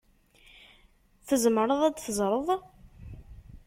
Tzemreḍ ad d-teẓṛeḍ?